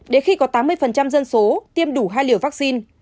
đến khi có tám mươi dân số tiêm đủ hai liều vaccine